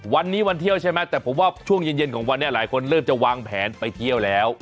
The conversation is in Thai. วันนี้วันเที่ยวใช่ไหมแต่ผมว่าช่วงเย็นของวันนี้หลายคนเริ่มจะวางแผนไปเที่ยวแล้ว